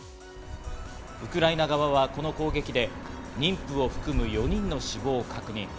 ウクライナ側はこの攻撃で妊婦を含む４人の死亡を確認。